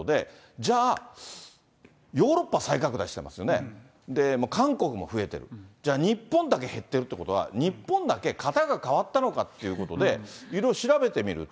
じゃあ、ヨーロッパ再拡大してますよね、韓国も増えてる、じゃあ、日本だけ減ってるっていうことは、日本だけ型が変わったのかっていうことで、いろいろ調べてみると。